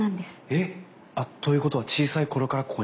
えっ？ということは小さい頃からここに？